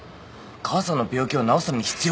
母さんの病気を治すために必要な金だろ。